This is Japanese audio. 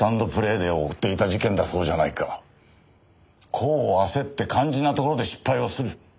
功を焦って肝心なところで失敗をする。